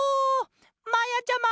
まやちゃま！